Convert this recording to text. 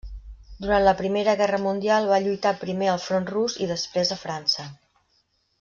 Durant la Primera Guerra Mundial va lluitar primer al front rus, i després a França.